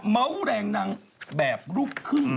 เมาแรงนางแบบลูกขึ้น